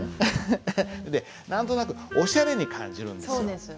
で何となくおしゃれに感じるんですよ。